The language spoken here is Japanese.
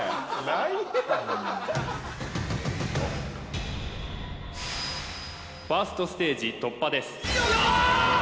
何やねんファーストステージ突破ですよし！